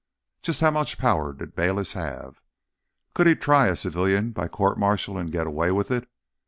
Just how much power did Bayliss have? Could he try a civilian by court martial and get away with it?